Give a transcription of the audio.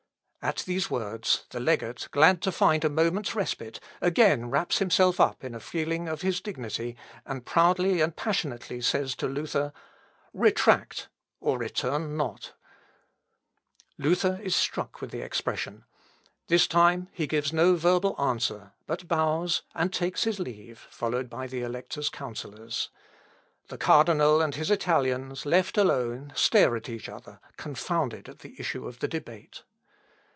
At these words, the legate, glad to find a moment's respite, again wraps himself up in a feeling of his dignity, and proudly and passionately says to Luther: "Retract, or return not." "Revoca, aut non revertere." Ibid. p. 202. Luther is struck with the expression. This time he gives no verbal answer, but bows and takes his leave, followed by the Elector's counsellors. The cardinal and his Italians, left alone, stare at each other, confounded at the issue of the debate.